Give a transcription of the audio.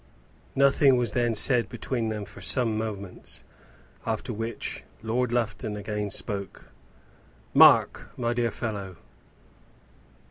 Nothing was then said between them for some moments, after which Lord Lufton again spoke, "Mark, my dear fellow!"